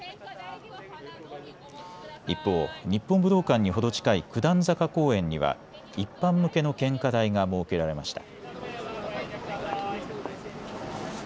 一方、日本武道館に程近い九段坂公園には一般向けの献花台が設けられました。